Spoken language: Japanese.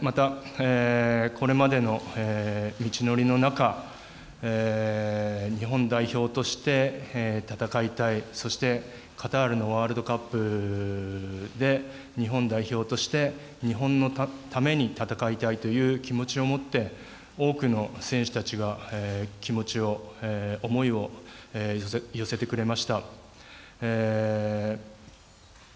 また、これまでの道のりの中、日本代表として戦いたい、そしてカタールのワールドカップで日本代表として日本のために戦いたいという気持ちを持って多くの選手たちが気持ちを、思いを寄せてくれました。